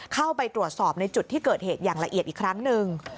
เข้าไปตรวจสอบในจุดที่เกิดเหตุอย่างละเอียดอีกครั้งหนึ่ง